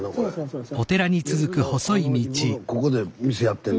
ここで店やってんの？